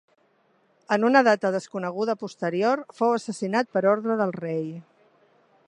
En una data desconeguda posterior, fou assassinat per orde del rei.